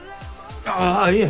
ああいえ